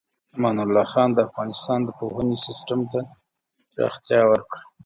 امان الله خان د افغانستان د پوهنې سیستم ته پراختیا ورکړه.